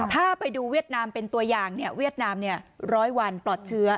ถ้าไปดูเวียดนามเป็นตัวอย่างเวียดนามร้อยวันปลอดเชื้อ